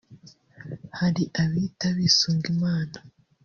Hari abita bisunga Imana